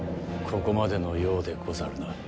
ここまでのようでござるな。